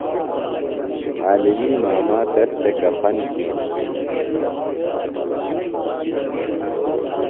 عالمیۡ ماما تس تھےۡ کفن گِھینوۡ۔